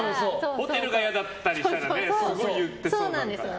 ホテルが嫌だったりしたらすごい言ってそうだもんね。